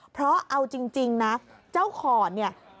เพราะเอาจริงนะเจ้าขอดเนี่ย